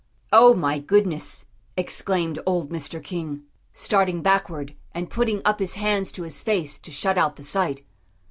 "Oh, my goodness!" exclaimed old Mr. King, starting backward and putting up his hands to his face to shut out the sight.